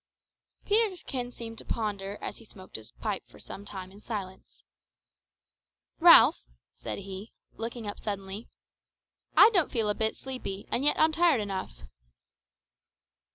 Peterkin seemed to ponder as he smoked his pipe for some time in silence. "Ralph," said he, looking up suddenly, "I don't feel a bit sleepy, and yet I'm tired enough."